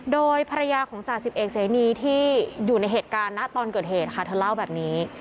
โดยภรรยาของจ่าสิบเอกเสนีที่อยู่ในเหตุการณ์นะตอนเกิดเหตุค่ะเธอเล่าแบบนี้